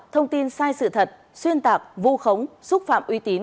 thông tin sai sự thật xuyên tạp vô khống xúc phạm uy tín